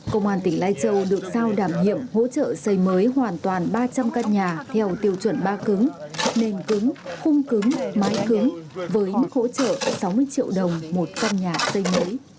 công an tỉnh lai châu được sao đảm nhiệm hỗ trợ xây mới hoàn toàn ba trăm linh căn nhà theo tiêu chuẩn ba cứng nền cứng khung cứng mái cứng với mức hỗ trợ sáu mươi triệu đồng